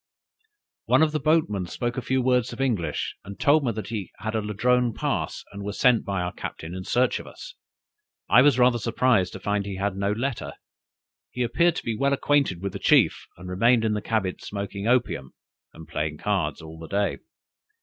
"One of the boatmen spoke a few words of English, and told me he had a Ladrone pass, and was sent by our captain in search of us; I was rather surprised to find he had no letter. He appeared to be well acquainted with the chief, and remained in his cabin smoking opium, and playing cards all the day.